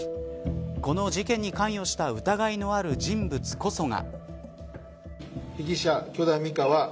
この事件に関与した疑いのある人物こそが。